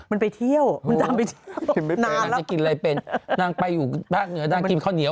มันไปเที่ยวมันจำไปเที่ยว